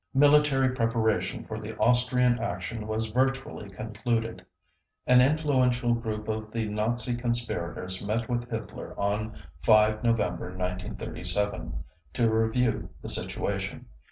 Military preparation for the Austrian action was virtually concluded. An influential group of the Nazi conspirators met with Hitler on 5 November 1937, to review the situation.